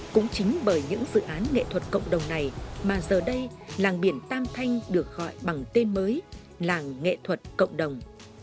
cũng chính bởi những dự án nghệ thuật cộng đồng này mà giờ đây làng biển tam thanh được gọi bằng tên mới làng nghệ thuật cộng đồng